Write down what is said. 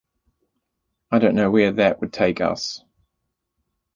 I don't know where that would take us.